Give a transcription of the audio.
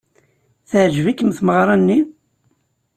Teɛjeb-ikem tmeɣra-nni?